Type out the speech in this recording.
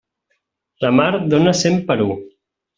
La mar dóna cent per u.